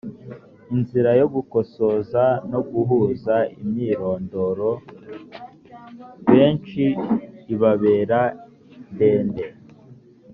inzira yo gukosoza no guhuza imyirondoro benshi ibabera ndende